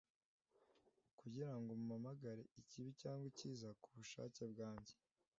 kugirango ngo mpamagare ikibi cyangwa icyiza ku bushake bwanjye.